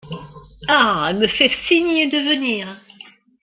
Ah ! elle me fait signe de venir…